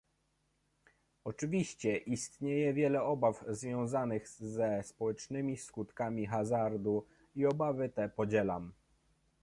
Oczywiście istnieje wiele obaw związanych ze społecznymi skutkami hazardu i obawy te podzielam